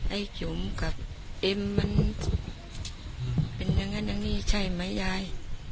ไอ้จุ๋มกับเอ็มมันเป็นอย่างนั้นอย่างนี้ใช่ไหมยาย